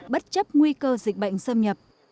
bất chấp nguy cơ dịch bệnh xâm nhập